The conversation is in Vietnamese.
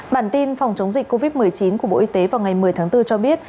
bản tin phòng chống dịch covid một mươi chín của bộ y tế vào ngày một mươi tháng bốn cho biết